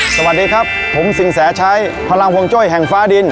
สวัสดีครับผมสินแสชัยพลังวงจ้อยแห่งฟ้าดิน